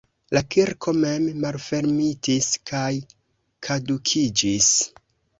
La kirko mem malfermitis kaj kadukiĝis.